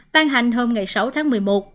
ban hành hôm sáu tháng một mươi một